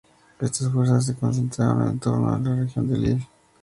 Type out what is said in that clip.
Estas fuerzas se concentraron en torno a la región de Lille.